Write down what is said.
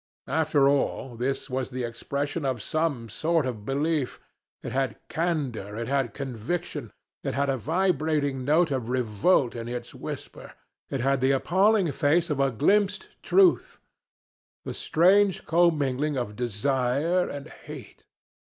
After all, this was the expression of some sort of belief; it had candor, it had conviction, it had a vibrating note of revolt in its whisper, it had the appalling face of a glimpsed truth the strange commingling of desire and hate.